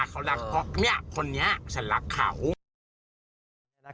เขารักเพราะเนี่ยคนนี้ฉันรักเขา